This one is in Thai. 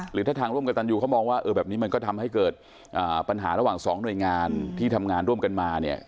หรือถ้าทางร่วมกับตันยูเขามองว่าแบบนี้มันก็ทำให้เกิดปัญหาระหว่างสองหน่วยงานที่ทำงานร่วมกันมาเนี่ย